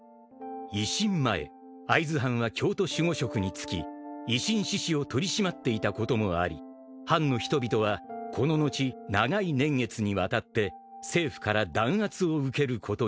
［維新前会津藩は京都守護職につき維新志士を取り締まっていたこともあり藩の人々はこの後長い年月にわたって政府から弾圧を受けることになった］